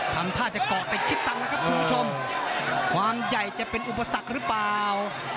ทำท่าจะเกาะติดคิดตังค์แล้วครับคุณผู้ชมความใหญ่จะเป็นอุปสรรคหรือเปล่า